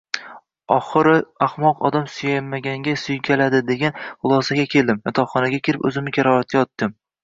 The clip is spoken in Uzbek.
Oxiri, ahmoq odam suymaganga suykaladi degan xulosaga keldim, yotoqxonaga kirib oʻzimni karavotga otdim.